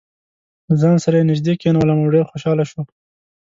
له ځان سره یې نژدې کېنولم او ډېر خوشاله شو.